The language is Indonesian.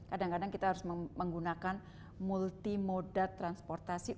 kadang kadang kita harus menggunakan multimoda transportasi